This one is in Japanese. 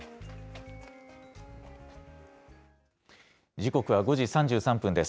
時刻は５時３３分です。